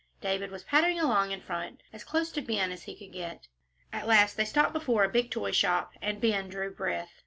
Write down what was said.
David was pattering along in front as close to Ben as he could get. At last they stopped before a big toy shop, and Ben drew breath.